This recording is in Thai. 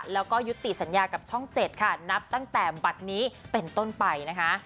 แล้วก็ยุติสัญญากับช่อง๗ค่ะนับตั้งแต่บัตรนี้เป็นต้นไปนะคะ